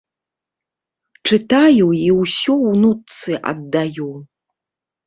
Чытаю і ўсё унучцы аддаю.